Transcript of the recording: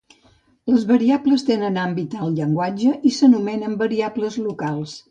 Les variables tenen àmbit al llenguatge i s'anomenen "variables locals".